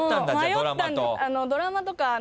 ドラマとか。